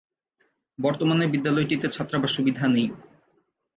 বর্তমানে বিদ্যালয়টিতে ছাত্রাবাস সুবিধা নেই।